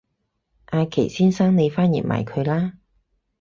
阿祁先生你翻譯埋佢啦